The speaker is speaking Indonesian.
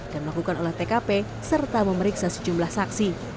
dan melakukan oleh tkp serta memeriksa sejumlah saksi